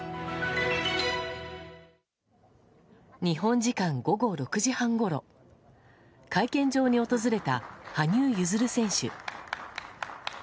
日本時間午後６時半ごろ会見場に訪れた、羽生結弦選手。